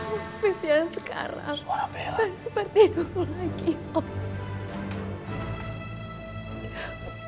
afif yang sekarang tak seperti dulu lagi om